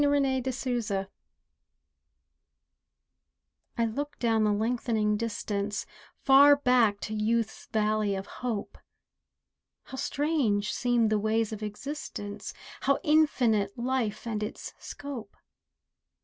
RETROSPECTION I look down the lengthening distance Far back to youth's valley of hope. How strange seemed the ways of existence, How infinite life and its scope!